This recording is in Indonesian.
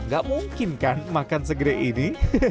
gak mungkin kan makan segede ini